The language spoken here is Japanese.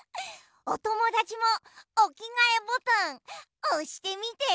おともだちもおきがえボタンおしてみて。